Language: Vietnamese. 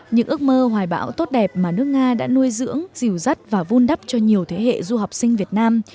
những ước mơ hoài bão tốt đẹp mà nước nga đã nuôi dưỡng dìu dắt và vun đắp cho nhiều thế hệ du học sinh việt nam